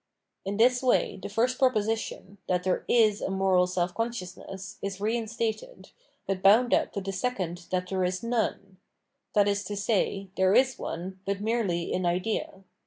In this way the first proposition, that there is a moral self consciousness, is reinstated, but bound up with the second that there is none ; that is to say, there is one, but merely in idea.